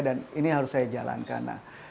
dan ini harus saya jalankan